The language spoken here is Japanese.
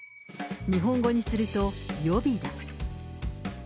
日本語にすると予備だ。